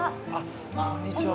こんにちは。